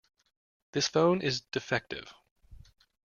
This phone is defective.